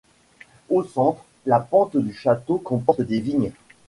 Au centre, la pente du plateau comporte des vignes.